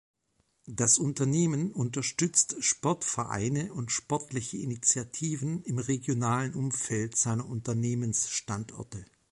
Das Unternehmen unterstützt Sportvereine und sportliche Initiativen im regionalen Umfeld seiner Unternehmens-Standorte.